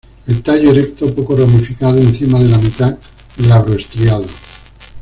El tallo erecto, poco ramificado encima de la mitad, glabro estriado.